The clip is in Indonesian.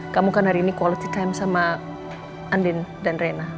kamu kan hari ini quality time sama andin dan rena